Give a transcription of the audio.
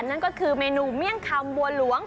นั่นก็คือเมนูเมี่ยงคำบัวหลวง